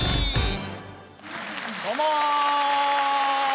どうも！